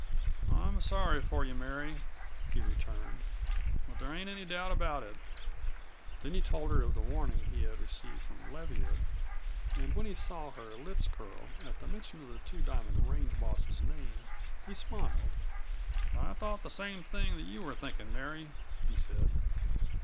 "I'm sorry for you, Mary," he returned, "but there ain't any doubt about it." Then he told her of the warning he had received from Leviatt, and when he saw her lips curl at the mention of the Two Diamond range boss's name he smiled. "I thought the same thing that you are thinking, Mary," he said.